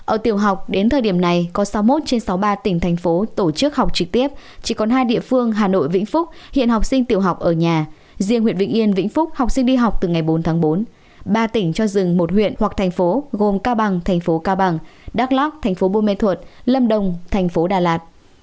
ở tiểu học đến thời điểm này có sáu mươi một trên sáu mươi ba tỉnh thành phố tổ chức học trực tiếp chỉ còn hai địa phương hà nội vĩnh phúc hiện học sinh tiểu học ở nhà riêng huyện vĩnh yên vĩnh phúc học sinh đi học từ ngày bốn tháng bốn ba tỉnh cho dừng một huyện hoặc thành phố gồm cao bằng thành phố cao bằng đắk lắc thành phố bô mê thuột lâm đồng thành phố đà lạt